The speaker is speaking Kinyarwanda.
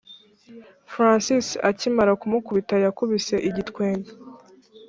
francis akimara kumukubita yakubise igitwenge